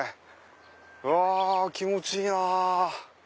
うわ気持ちいいなぁ。